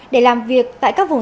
để làm việc tại các vùng đường